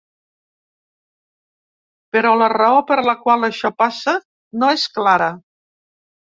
Però la raó per la qual això passa no és clara.